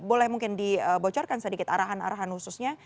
boleh mungkin dibocorkan sedikit arahan arahan khususnya